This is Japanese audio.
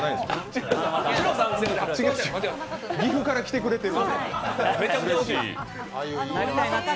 岐阜から来てくれてる。